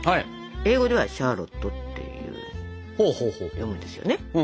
英語では「シャーロット」っていうんですよね。